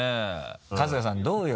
春日さんどうよ？